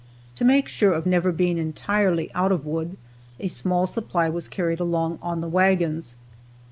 To make sure of never being entirely out of wood, a small supply was carried along on the wagons.